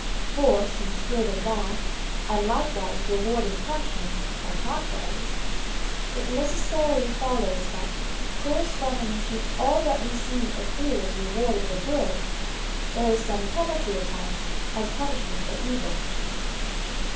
For since good and bad, and likewise reward and punishment, are contraries, it necessarily follows that, corresponding to all that we see accrue as reward of the good, there is some penalty attached as punishment of evil.